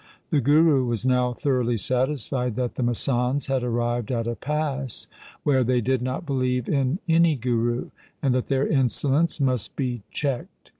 The Guru was now thoroughly satisfied that the masands had arrived at a pass where they did not believe in any Guru, and that their insolence must be checked.